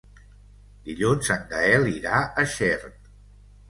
Dilluns en Gaël irà a Xert.